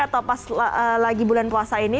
atau pas lagi bulan puasa ini